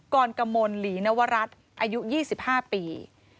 กรกมลหลีนวรัฐอายุ๒๕ปี